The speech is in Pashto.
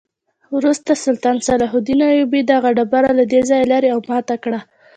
وروسته سلطان صلاح الدین ایوبي دغه ډبره له دې ځایه لرې او ماته کړه.